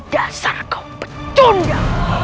dasar kau petunda